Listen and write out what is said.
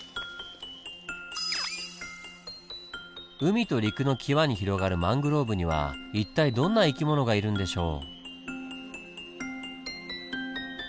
海と陸のキワに広がるマングローブには一体どんな生き物がいるんでしょう？